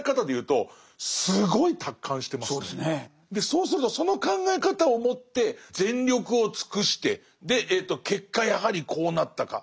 そうするとその考え方をもって全力を尽くしてで結果やはりこうなったか。